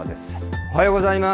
おはようございます。